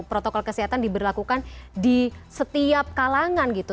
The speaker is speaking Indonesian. protokol kesehatan diberlakukan di setiap kalangan gitu